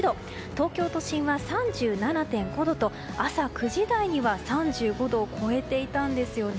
東京都心は３７．５度と朝９時台には３５度を超えていたんですよね。